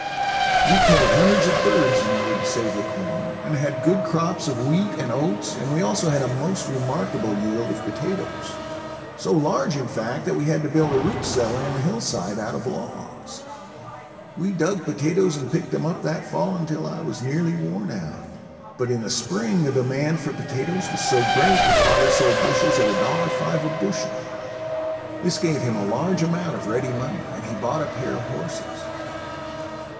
We killed hundreds of birds in order to save the corn and had good crops of wheat and oats and we also had a most remarkable yield of potatoes; so large in fact, that we had to build a root cellar in the hillside out of logs. We dug potatoes and picked them up that fall until I was nearly worn out, but in the spring the demand for potatoes was so great that father sold bushels at $1.05 a bushel. This gave him a large amount of ready money and he bought a pair of horses.